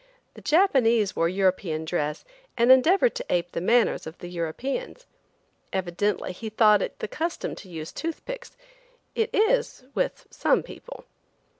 The Japanese wore European dress and endeavored to ape the manners of the Europeans. Evidently he thought it the custom to use tooth picks. It is–with some people.